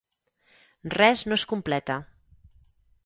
Res no es completa.